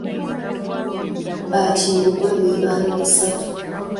Bakimbugwe be baali basatu.